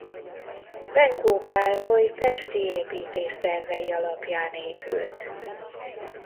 Benkó Károly pesti építész tervei alapján épült.